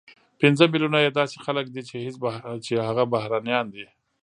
پنځه ملیونه یې داسې خلک دي چې هغه بهرنیان دي،